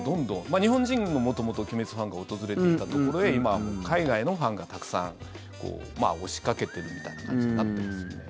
日本人の、元々「鬼滅」ファンが訪れていたところへ今、海外のファンがたくさん押しかけてるみたいな感じになってますよね。